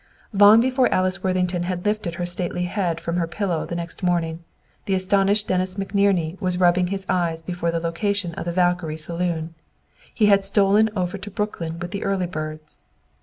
Long before Alice Worthington had lifted her stately head from her pillow the next morning, the astonished Dennis McNerney was rubbing his eyes before the location of the Valkyrie Saloon. He had stolen over to Brooklyn with the "early birds."